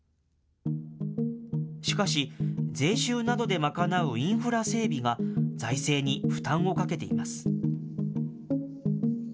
しかし、税収などで賄うインフラ整備が、財政に負担をかけています。